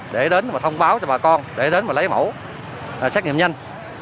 để đến và thông báo cho bà con để đến và lấy mẫu xét nghiệm nhanh